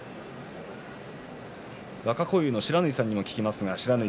若荒雄の不知火さんにもお聞きします。